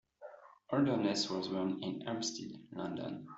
Holderness was born in Hampstead, London.